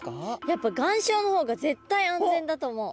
やっぱ岩礁の方が絶対安全だと思う！